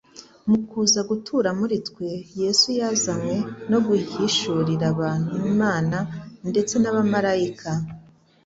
Mu kuza gutura muri twe, Yesu yazanywe no guhishurira abantu Imana ndetse n'abamalayika.